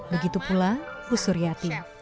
begitu pula bu suryati